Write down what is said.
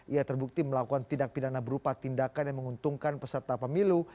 ia terbukti melakukan tindak pidana berupa tindakan yang menguntungkan peserta pemilu